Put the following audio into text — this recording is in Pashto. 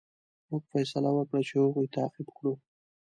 موږ فیصله وکړه چې هغوی تعقیب کړو.